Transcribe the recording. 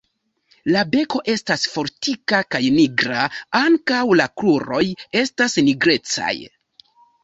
La beko estas fortika kaj nigra; ankaŭ la kruroj estas nigrecaj.